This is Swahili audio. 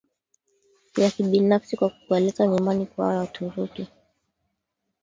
la kibinafsi Kwa kukualika nyumbani kwao Waturuki